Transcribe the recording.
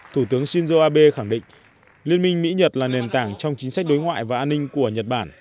thủ tướng shinzo abe khẳng định liên minh mỹ nhật là nền tảng trong chính sách đối ngoại và an ninh của nhật bản